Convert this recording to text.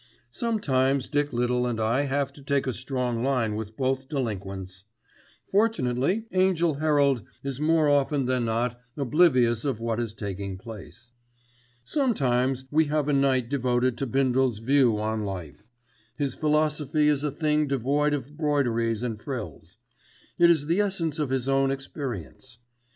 Sometimes Dick Little and I have to take a strong line with both delinquents. Fortunately Angell Herald is more often than not oblivious of what is taking place. Sometimes we have a night devoted to Bindle's views on life. His philosophy is a thing devoid of broideries and frills. It is the essence of his own experience.